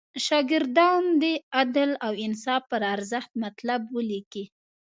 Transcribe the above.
شاګردان دې د عدل او انصاف پر ارزښت مطلب ولیکي.